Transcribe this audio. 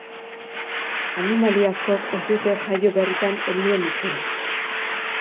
Animalia askok ez dute jaio berritan helduen itxura.